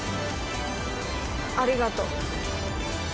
ありがとう。